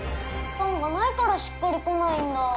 パンがないからしっくりこないんだ。